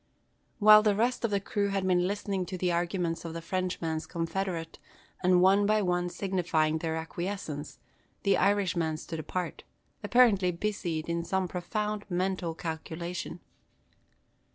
While the rest of the crew had been listening to the arguments of the Frenchman's confederate, and one by one signifying their acquiescence, the Irishman stood apart, apparently busied in some profound mental calculation.